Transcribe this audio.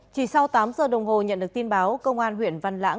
chỉ sau tám giờ đồng hồ nhận được tin báo công an huyện văn lãng